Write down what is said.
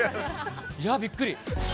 いやー、びっくり。